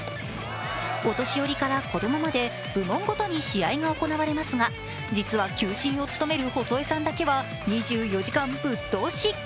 お年寄りから子供まで部門ごとに試合が行われますが実は球審を務める細江さんだけは２４時間ぶっ通し。